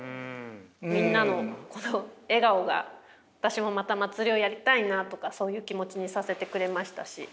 みんなのこの笑顔が私もまた祭りをやりたいなとかそういう気持ちにさせてくれましたし。